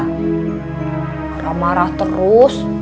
ya udah udah engga lagi terserah terus